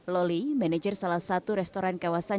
loli manajer salah satu restoran kawasan